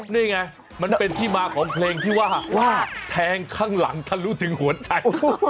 นี่ไงมันเป็นที่มาของเพลงที่ว่าว่าแทงข้างหลังทะลุถึงหัวใจ